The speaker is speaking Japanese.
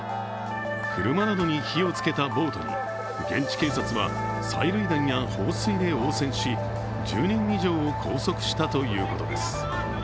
車などに火を付けた暴徒に現地警察は催涙弾や放水で応戦し１０人以上を拘束したということです。